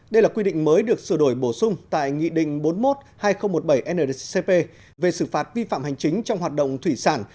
đây là quy định mới được sửa đổi bổ sung tại nghị định bốn mươi một hai nghìn một mươi bảy ndcp về xử phạt vi phạm hành chính trong hoạt động thủy sản